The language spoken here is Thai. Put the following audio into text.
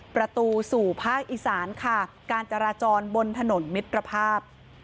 ประตูสู่ภาคอีสานค่ะการจราจรบนถนนมิตรภาพ